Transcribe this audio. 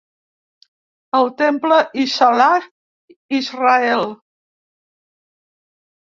El temple Isaiah Israel.